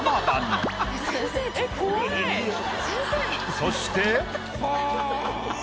そして。